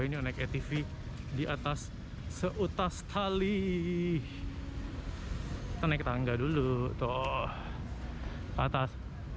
kita naik etv di atas seutas tali kita naik tangga dulu atas